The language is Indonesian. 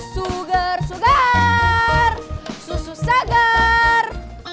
sugar sugar susu segar